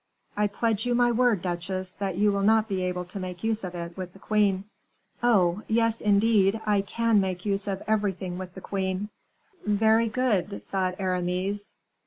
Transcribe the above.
"I pledge you my word, duchesse, that you will not be able to make use of it with the queen." "Oh! yes, indeed; I can make use of everything with the queen." "Very good," thought Aramis.